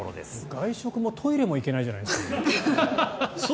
外食もトイレも行けないじゃないですか。